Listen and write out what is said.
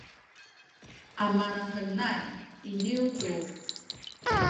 amanahenay iniyu tu